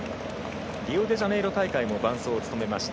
リオデジャネイロ大会も伴走を務めました。